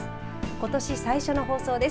ことし最初の放送です。